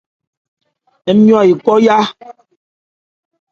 Nmɔyo ekɔ́ yá.